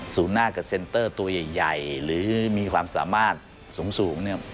หน้ากับเซ็นเตอร์ตัวใหญ่หรือมีความสามารถสูงเนี่ย